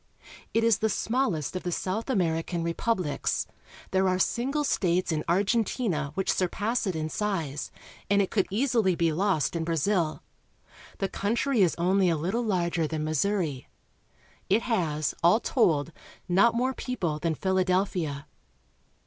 It is the smallest of the South American republics. There are single states in Argentina which surpass it in size, and it could easily be lost in Brazil. The country is only a httle larger than Missouri. It has, alltold, not more people than Philadelphia.